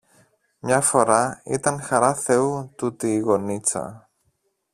Μια φορά ήταν χαρά Θεού τούτη η γωνίτσα.